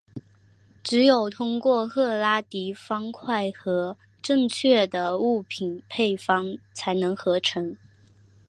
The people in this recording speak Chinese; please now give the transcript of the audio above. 只有通过赫拉迪方块和正确的物品配方才能合成。